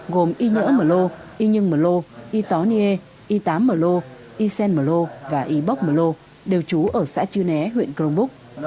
gồm y nhỡ mờ lô y nhưng mờ lô y tó niê y tám mờ lô y sen mờ lô và y bóc mờ lô đều trú ở xã chư né huyện crong buc